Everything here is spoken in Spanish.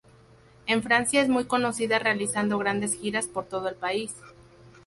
En Francia es muy conocida realizando grandes giras por todo el país.